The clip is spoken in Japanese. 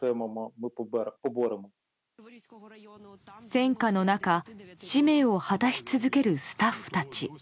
戦火の中使命を果たし続けるスタッフたち。